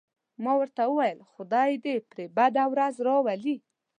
ما ورته وویل: خدای دې پرې بده ورځ راولي.